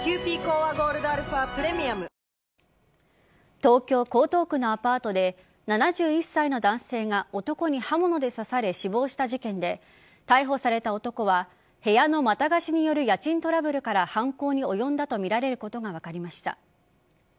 東京・江東区のアパートで７１歳の男性が男に刃物で刺され死亡した事件で逮捕された男は部屋のまた貸しによる家賃トラブルから犯行に及んだとみられることが分かりました。